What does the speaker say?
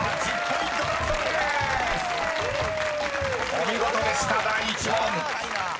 ［お見事でした第１問］